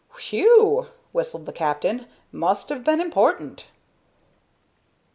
"Whew!" whistled the captain. "Must have been important."